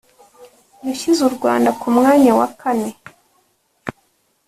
yashyize u Rwanda ku mwanya wa kane.